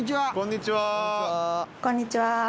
こんにちは。